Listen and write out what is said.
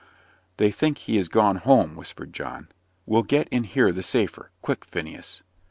"They think he is gone home," whispered John; "we'll get in here the safer. Quick, Phineas."